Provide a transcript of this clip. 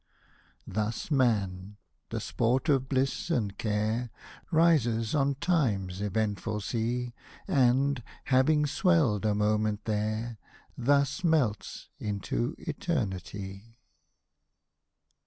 Thus man, the sport of bliss and care, Rises on time's eventful sea ; And, having swelled a moment there Thus melts into eternitv